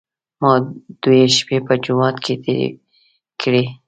ما دوې شپې په جومات کې تېرې کړې.